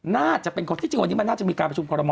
น่าจะเป็นคนที่จริงวันนี้มันน่าจะมีการประชุมคอรมอ